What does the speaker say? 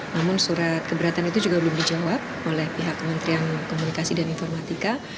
namun surat keberatan itu juga belum dijawab oleh pihak kementerian komunikasi dan informatika